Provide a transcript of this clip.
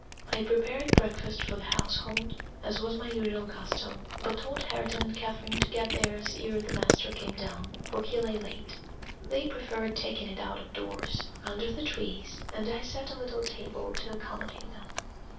I prepared breakfast for the household, as was my usual custom, but told Hareton and Catherine to get theirs ere the master came down, for he lay late. They preferred taking it out of doors, under the trees, and I set a little table to accommodate them.